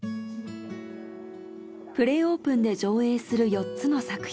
プレオープンで上映する４つの作品。